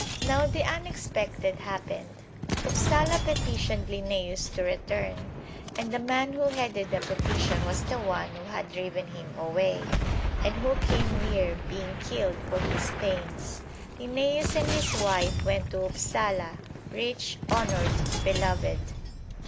Now the unexpected happened: Upsala petitioned Linnæus to return, and the man who headed the petition was the one who had driven him away and who came near being killed for his pains. Linnæus and his wife went to Upsala, rich, honored, beloved.